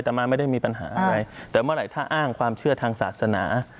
แต่มาไม่ได้มีปัญหาอะไรแต่เมื่อไหร่ถ้าอ้างความเชื่อทางศาสนา